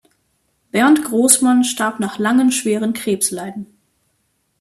Bernd Großmann starb nach langen schweren Krebsleiden.